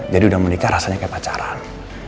jadi udah menikah rasanya kayak pacaran